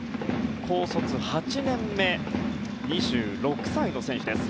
高卒８年目２６歳の選手です。